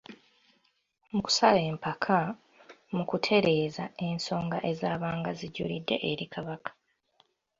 Mu kusala empaka, mu kutereeza ensonga ezaabanga zijulidde eri Kabaka.